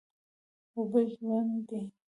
اوبه ژوند دي.